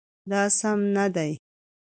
دا سم نه دی